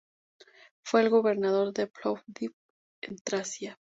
Fue el gobernador de Plovdiv, en Tracia.